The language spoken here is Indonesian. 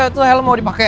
itu helm mau dipake